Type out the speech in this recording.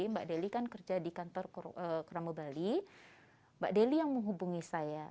mbak deli kan kerja di kantor kerama bali mbak deli yang menghubungi saya